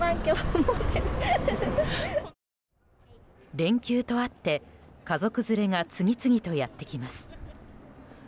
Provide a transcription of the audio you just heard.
連休とあって家族連れが次々とやってきます。